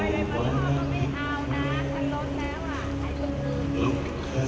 สวัสดีครับสวัสดีครับ